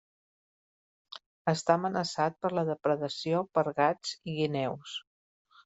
Està amenaçat per la depredació per gats i guineus.